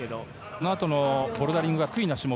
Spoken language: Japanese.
このあとのボルダリングは得意な種目。